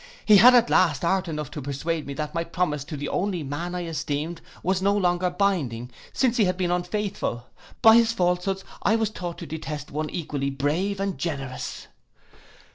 He had at last art enough to persuade me that my promise to the only man I esteemed was no longer binding, since he had been unfaithful. By his falsehoods I was taught to detest one equally brave and generous!